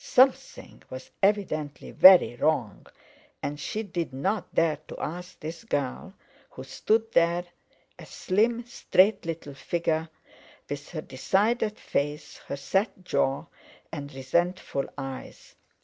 Something was evidently very wrong, and she did not dare to ask this girl, who stood there, a slim, straight little figure, with her decided face, her set jaw, and resentful eyes.